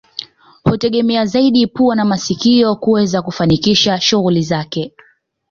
Hutegemea zaidi pua na masikio kuweza kufanikisha shughuli zake